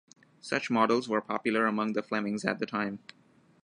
Such models were popular among the Flemings at the time.